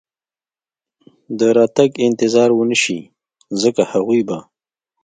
د راتګ انتظار و نه شي، ځکه هغوی به.